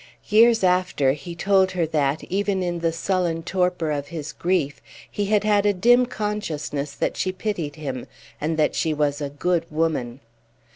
Years after, he told her that, even in the sullen torpor of his grief, he had had a dim consciousness that she pitied him, and that she was "a good woman."